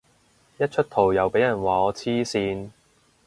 一出圖又俾人話我黐線